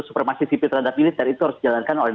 supermasi sipil terhadap militer itu harus dijalankan oleh